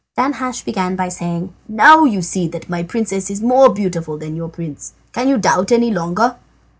Danhasch began by saying: "Now you see that my princess is more beautiful than your prince. Can you doubt any longer?"